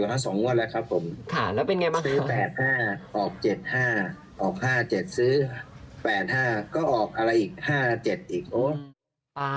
ค่ะแล้วเป็นไงบ้างค่ะ